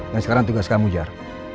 dan sekarang tugas kamu jar